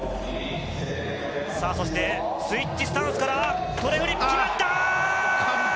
そしてスイッチスタンスからトレフリップ決まった！